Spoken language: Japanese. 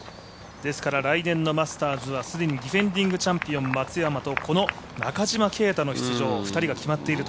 来年のマスターズはすでにディフェンディングチャンピオン松山とこの中島啓太の出場、２人が決まっていると。